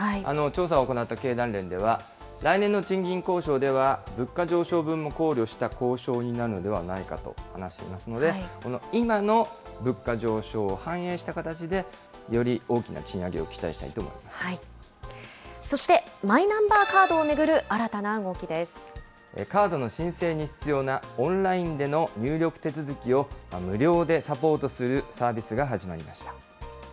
調査を行った経団連では、来年の賃金交渉では、物価上昇分も考慮した交渉になるのではないかと話していますので、この今の物価上昇を反映した形で、より大きな賃上げを期待したいとそしてマイナンバーカードをカードの申請に必要なオンラインでの入力手続きを無料でサポートするサービスが始まりました。